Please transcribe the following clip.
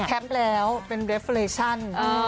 แคปแล้วเป็นเรเฟอเรชั่น